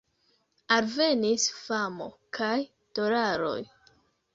Alvenis famo, kaj dolaroj.